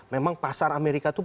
memang pasar amerika itu